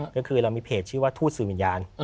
ก็คือเรามีเพจชื่อว่าทูตสื่อวิญญาณ